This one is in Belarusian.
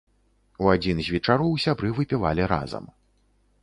У адзін з вечароў сябры выпівалі разам.